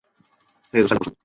হেই, তোর স্টাইলটা পছন্দ।